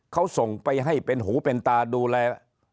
เขาส่งไปให้เป็นหูเป็นตาดูแล